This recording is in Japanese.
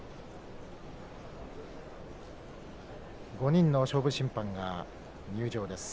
５人の勝負審判が入場です。